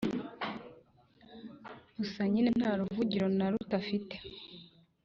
Gusa nyine nta ruvugiro na ruto afite